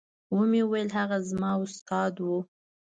ومې ويل هغه زما استاد و.